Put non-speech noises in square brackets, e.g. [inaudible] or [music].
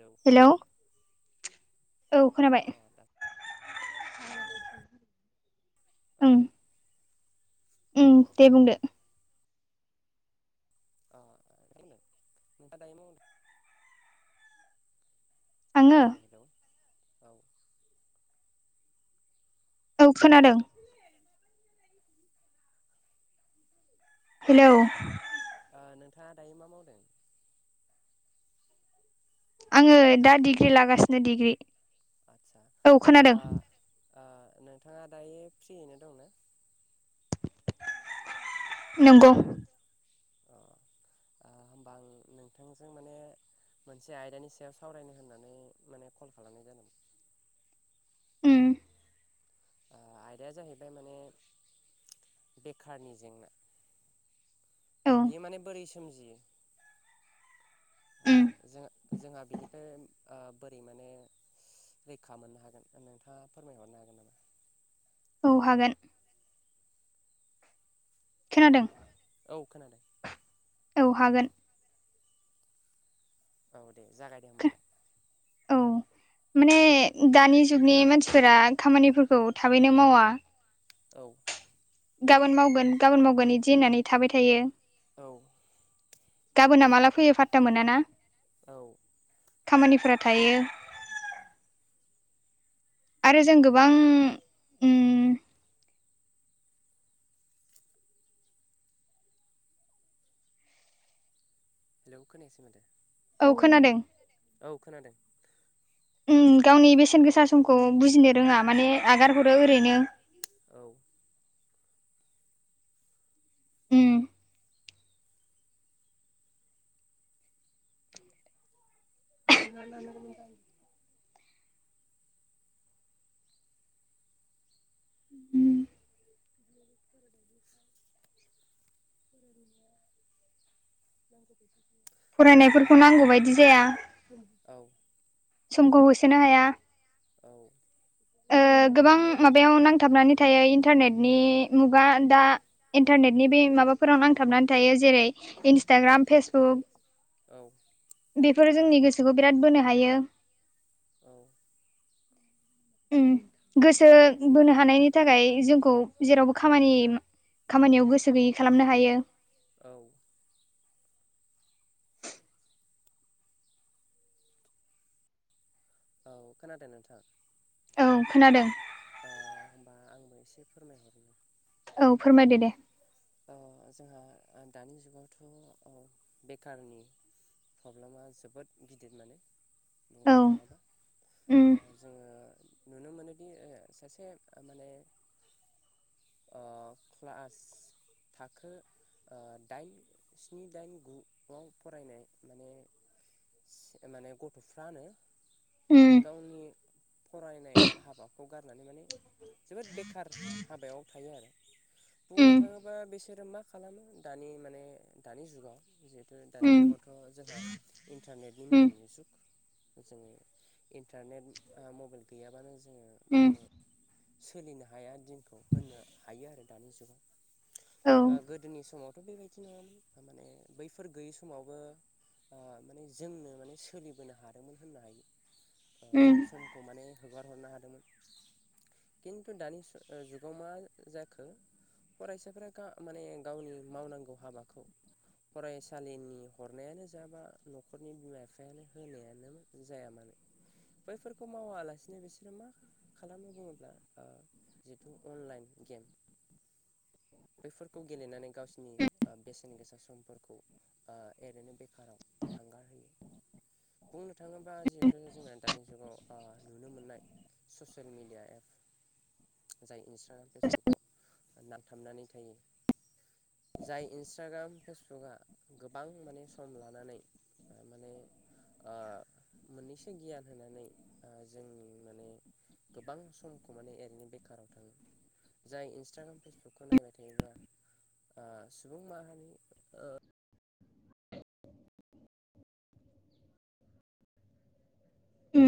औ हेलौ। औ अ खोनाबाय अ दा खोनादों औ खो उम दे बुंदो। अ [unintelligible] आङो खोनायाखै हेलौ औ। औ खोनादों। हेलौ। ओ नोंथाङा दायो मा मावदों? आङो हेलौ दा डिग्रि लागासिनो डिग्रि आतसा औ आ खोनादों आ नोंथाङा दायो फ्रियैनो दंना? नंगौ। अ आ होमबा आं नोंथांजों माने मोनसे आयदानि सायाव सावरायनो होननानै माने कल खालामनाय जादों। उम। आ आयदाया जाहैबाय माने बेखारनि जेंना। औ बियो माने बोरै सोमजियो ओ उम जोंहा ओ जोंहा बिनिफ्राय आ बोरै माने रैखा मोननो हागोन नोंथाङा फोरमायहरनो हागोन नामा। औ हागोन। खोनादों? औ खोनादों। औ हागोन। औ दे जागाय दे होमबालाय। औ। माने दानि जुगनि मानसिफोरा खामानिफोरखौ थाबैनो मावा। औ। गाबोन मावगोन गाबोन मावगोन बिदि होननानै थाबाय थायो। औ गाबोनना माला फैयो फात्ता मोना ना। औ खामानिफोरा थायो। आरो जों गोबां उम हेलौ खोनायासै माथो। औ खोनादों। औ खोनादों। उम गावनि बेसेन गोसा समखौ बुजिनो रोङा माने आगार हरो ओरैनो। औ उम [inaudible] उम [inaudible] [inaudible] औ फरायनायफोरखौ नोंथां नांगौ बायदि जाया। औ समखौ होसोनो हाया औ ओ गोबां माबायाव नांथाबनानै थायो इन्टारनेटनि मुगा दा इन्टारनेटनि बे माबाफोरावनो आं थाबनानै थायो जेरै इन्सटाग्राम फेसबुक औ बेफोरो जोंनि गोसोखौ बिराद बोनो हायो। औ उम गोसो बोनो हानायनि थाखाय जोंखौ जेरावबो खामानि खामानियाव गोसो गैयै खालामनो हायो। औ औ खोनादों नोंथाङा? औ खोनादों। ओ होमबा आंबो एसे फोरमायहरनो औ फोरमायदो दे। ओ जोंहा दानि जुगावथ' बेखारनि प्रब्लेमा जोबोद गिदिर माने बुंनो औ थाङोबा उम ओ। जोङो नुनो मोनोदि सासे माने ओ क्लास थाखो ओ दाइन स्नि दाइन गुआव फरायनाय माने माने गथ'फ्रानो उम गावनि फरायनाय हाबाखौ गारनानै माने जोबोद बेखार हाबायाव थायो आरो बुंनो उम थाङो बिसोरो मा खालामो दानि माने दानि जुगाव जिहेथु दानि उम जुगावथ' जोंहा इन्टारनेटनि उम मबाइलनि जुग। जोङो इन्टारनेट मबाइल गैयाबानो जोङो उम माने सोलिनो हाया दिनखौ होननो हायो आरो दानि जुगाव। औ गोदोनि समावथ' बेबायदि नङामोन थामाने बैफोर गैयै समावबो ओ माने जोंनो माने सोलिबोनो हादोंमोन होननो हायो। उम जों समखौ माने हगार हरनो हादोंमोन खिन्थु दानि जुगाव मा जाखो फरायसाफ्रा गा माने गावनि मावनांगौ हाबाखौ फरायसालिनि हरनायानो जाबा न'खरनि बिमा बिफायानो होनायानो जाया मानो बैफोरखौ मावालासिनो बिसोरो मा खालामनो बुङोब्ला जिेथु अनलाइन गेम बेफोरखौ गेलेनानै गावसिोरनि बेसेन गोसा समफोरखौ ओरैनो बेखाराव थांगारहोयो बुंनो थाङोब्ला जिहेथु जोंना दानि जुगाव नुनो मोननाय ससियेल मेडिया एप जाय इन्सटाग्राम फेसबुकाव नांथाबनानै थायो जाय इन्सटाग्राम फेसबुकआ गोबां माने सम लानानै माने मोननैसो गियान होनानै जोंनि माने गोबां समखौ माने ओरैनो बेखाराव थाङो जाय इन्सटाग्राम फेसबुक खौ नायबाय थायोबा सुबुं माहारि उ